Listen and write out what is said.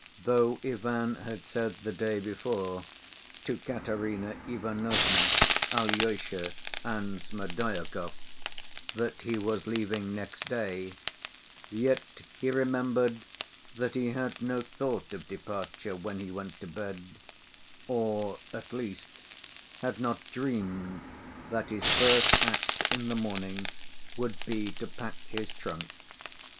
Though Ivan had said the day before (to Katerina Ivanovna, Alyosha, and Smerdyakov) that he was leaving next day, yet he remembered that he had no thought of departure when he went to bed, or, at least, had not dreamed that his first act in the morning would be to pack his trunk.